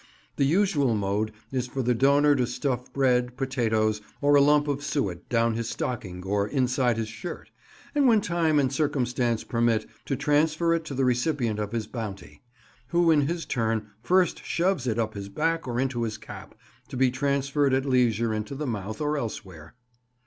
The usual mode is for the donor to stuff bread, potatoes, or a lump of suet down his stocking or inside his shirt, and when time and circumstance permit, to transfer it to the recipient of his bounty, who in his turn first shoves it up his back or into his cap, to be transferred at leisure into the mouth or elsewhere.